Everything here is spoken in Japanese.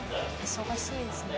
忙しいですね。